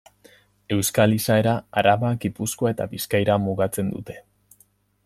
Euskal izaera Araba, Gipuzkoa eta Bizkaira mugatzen dute.